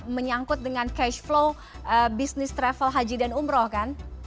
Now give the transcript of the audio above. menyangkut dengan cash flow bisnis travel haji dan umroh kan